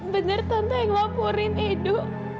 benar tante yang laporin edo